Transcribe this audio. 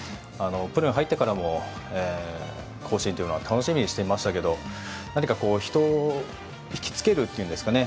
プロに入ってからも甲子園というのは楽しみにしていましたけど何か人を引き付けるというんですかね